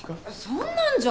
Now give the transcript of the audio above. そんなんじゃ。